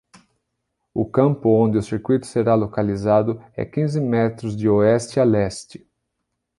O campo onde o circuito será localizado é quinze metros de oeste a leste.